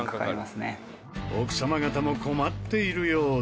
奥様方も困っているようで。